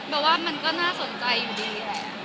ว่ามันก็น่าสนใจอยู่ดีแหละ